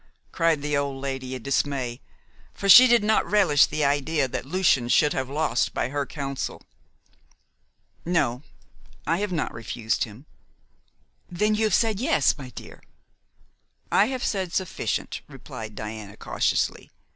cried the old lady in dismay, for she did not relish the idea that Lucian should have lost by her counsel. "No; I have not refused him." "Then you have said 'yes,' my dear!" "I have said sufficient," replied Diana cautiously.